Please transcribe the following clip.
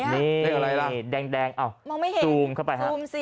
นี่นี่แดงจูมเข้าไปฮะ